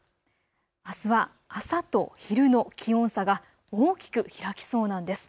あすは朝と昼の気温差が大きく開きそうなんです。